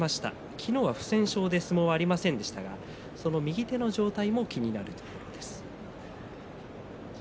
昨日は不戦勝で相撲はありませんでしたがその状態も気になるところです。